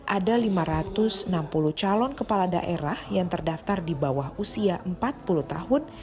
ada lima ratus enam puluh calon kepala daerah yang terdaftar di bawah usia empat puluh tahun